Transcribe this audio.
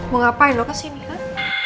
mau ngapain lo kesini kak